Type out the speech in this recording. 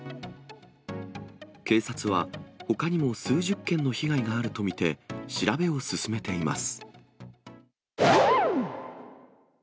警察は、ほかにも数十件の被害があると見て、調べを進めています。